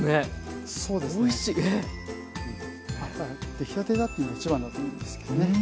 出来たてだっていうのが一番だと思うんですけどね。